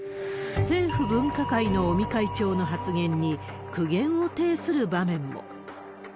政府分科会の尾身会長の発言に苦言を呈する場面も。